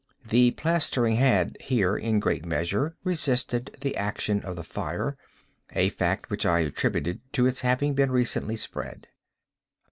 The plastering had here, in great measure, resisted the action of the fire—a fact which I attributed to its having been recently spread.